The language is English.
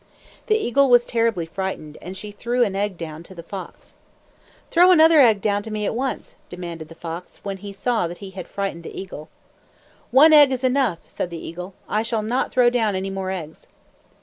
The eagle was terribly frightened, and she threw an egg down to the fox. "Throw another egg down to me at once," demanded the fox, when he saw that he had frightened the eagle. "One egg is enough," said the eagle. "I shall not throw down any more eggs."